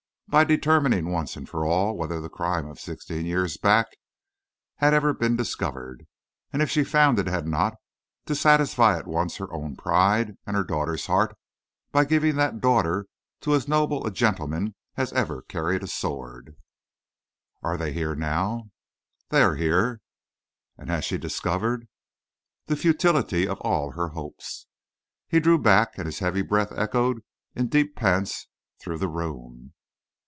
By determining once for all whether the crime of sixteen years back had ever been discovered, and if she found it had not, to satisfy at once her own pride and her daughter's heart by giving that daughter to as noble a gentleman as ever carried a sword." "And they are here now?" "They are here." "And she has discovered " "The futility of all her hopes." He drew back, and his heavy breath echoed in deep pants through the room.